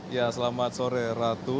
ya selamat sore ratu